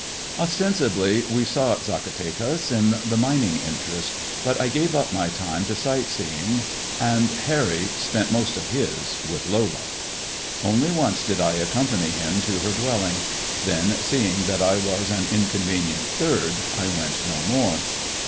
Ostensibly we sought Zacatecas in the mining interest, but I gave up my time to sight seeing, and Harry spent most of his with Lola. Only once did I accompany him to her dwelling ; then, seeing that I was an inconvenient third, I went no more.